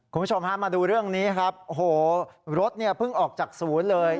คุณผู้ชมฮะมาดูเรื่องนี้ครับโอ้โหรถเนี่ยเพิ่งออกจากศูนย์เลย